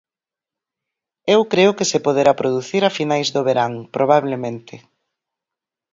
Eu creo que se poderá producir a finais do verán, probablemente.